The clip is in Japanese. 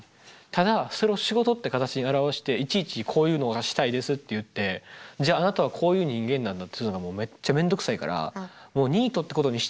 ただそれを仕事って形に表していちいちこういうのがしたいですって言ってじゃああなたはこういう人間なんだっていうのがめっちゃ面倒くさいからもうニートってことにしといた方が楽。